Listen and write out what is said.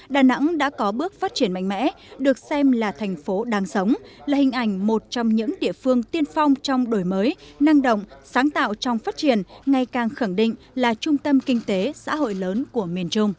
đà nẵng đã có bước phát triển mạnh mẽ được xem là thành phố đang sống là hình ảnh một trong những địa phương tiên phong trong đổi mới năng động sáng tạo trong phát triển ngày càng khẳng định là trung tâm kinh tế xã hội lớn của miền trung